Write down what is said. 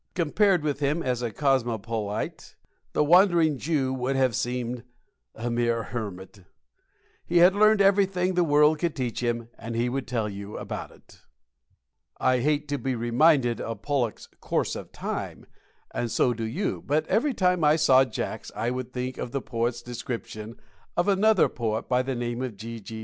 Compared with him as a cosmopolite, the Wandering Jew would have seemed a mere hermit. He had learned everything the world could teach him, and he would tell you about it. I hate to be reminded of Pollok's "Course of Time," and so do you; but every time I saw Jacks I would think of the poet's description of another poet by the name of G. G.